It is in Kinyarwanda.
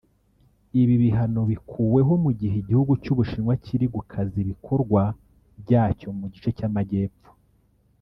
Ibi bihano bikuweho mu gihe igihugu cy’u Bushinwa kiri gukaza ibikorwa byacyo mu gice cy’Amajyepfo